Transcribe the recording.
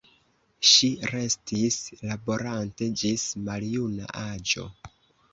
Ŝi restis laborante ĝis maljuna aĝo.